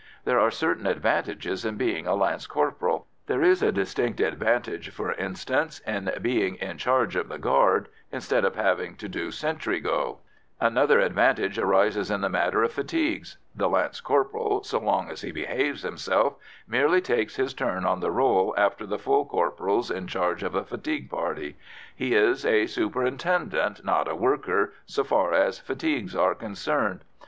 There are certain advantages in being a lance corporal; there is a distinct advantage, for instance, in being "in charge of the guard" instead of having to do sentry go; another advantage arises in the matter of fatigues: the lance corporal so long as he behaves himself merely takes his turn on the roll after the full corporals in charge of a fatigue party; he is a superintendent, not a worker, so far as fatigues are concerned.